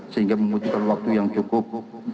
sehingga membutuhkan waktu yang cukup